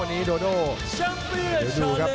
วันนี้โดโดดูดูครับ